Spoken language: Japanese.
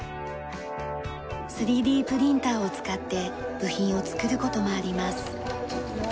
３Ｄプリンターを使って部品を作る事もあります。